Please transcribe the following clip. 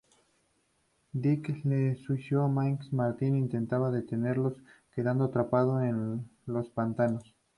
Dick el Sucio y Maggie Martin intentan detenerlos quedando atrapados en los pantanos.